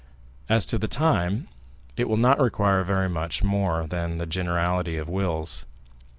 As to the time, it will not require very much more than the generality of wills.